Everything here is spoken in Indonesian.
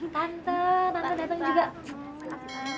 tante tante datang juga